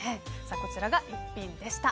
こちらが逸品でした。